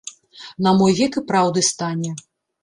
На мой век і праўды стане.